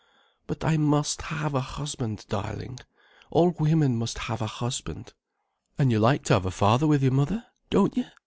"But I must have a husband, darling. All women must have a husband." "And you like to have a father with your mother, don't you?"